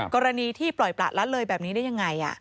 กรณีที่ปล่อยประละเลยแบบนี้ได้ยังไง